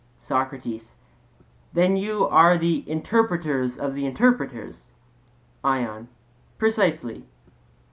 SOCRATES: Then you are the interpreters of interpreters? ION: Precisely.